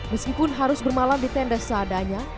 meskipun harus bermalam di tenda seadanya